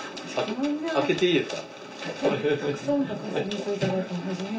開けていいですか？